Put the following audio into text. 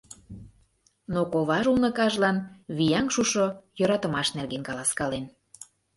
Но коваже уныкажлан вияҥ шушо йӧратымаш нерген каласкален.